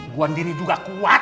gue sendiri juga kuat